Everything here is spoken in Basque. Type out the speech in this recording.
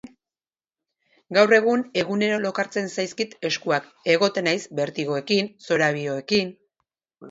Gaur egun egunero lokartzen zaizkit eskuak, egoten naiz bertigoekin, zorabioekin...